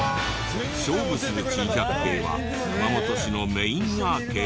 勝負する珍百景は熊本市のメインアーケードに。